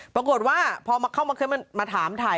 ปรากฏว่าพอเข้ามาถามถ่าย